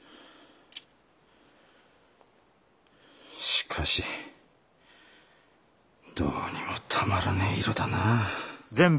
しかしどうにもたまらねえ色だなぁ。